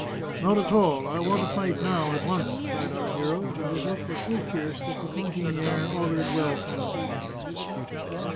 " Not at all. I want to fight now, at once," cried our hero, and his look was so fierce that the cantiniere augured well from it.